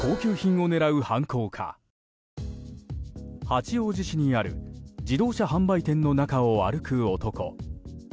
八王子市にある自動車販売店の中を歩く男。